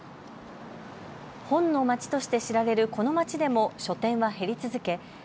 本の街として知られるこの街でも書店は減り続け